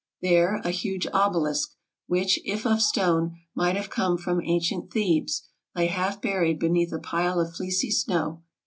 There a huge obelisk, which, if of stone, might have come from ancient Thebes, lay half buried be neath a pile of fleecy snow.